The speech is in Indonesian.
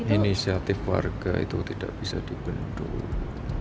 inisiatif warga itu tidak bisa dibentuk